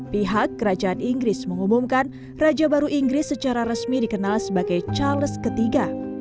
pihak kerajaan inggris mengumumkan raja baru inggris secara resmi dikenal sebagai charles iii